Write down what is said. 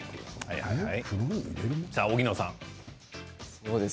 荻野さん。